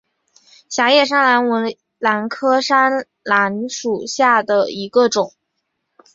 狭叶山兰为兰科山兰属下的一个种。